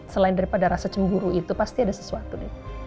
selain daripada rasa cemburu itu pasti ada sesuatu nih